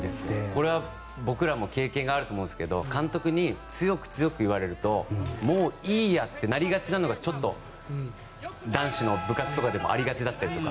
これは僕らも経験があると思うんですけど監督に強く強く言われるともういいやってなりがちなのがちょっと男子の部活とかでもありがちだったりとか。